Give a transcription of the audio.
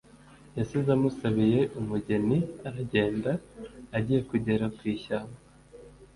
yasize amusabiye umugeni. aragenda, agiye kugera ku ishyamba